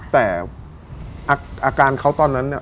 แต่อาการเขาตอนนั้นเนี่ย